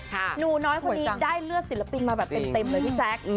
หนูน้อยคนนี้ได้เลือดศิลปินมาแบบเต็มเลยพี่แจ๊ค